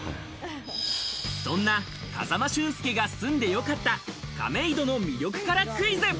そんな風間俊介が住んでよかった亀戸の魅力からクイズ。